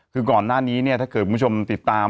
คือก่อนหน้านี้เนี่ยถ้าเกิดคุณผู้ชมติดตาม